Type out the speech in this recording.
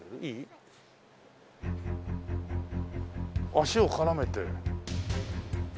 足を絡めて。